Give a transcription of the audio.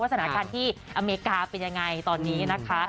วัฒนาการที่อเมริกาเป็นอย่างไรตอนนี้นะคะ